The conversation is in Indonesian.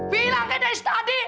bilang deh dari tadi